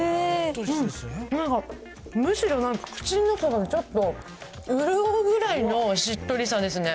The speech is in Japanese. なんかむしろ口の中がちょっと潤うぐらいのしっとりさですね。